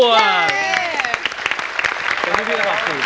เชิ้นให้พี่ฟอร์ฟห่วง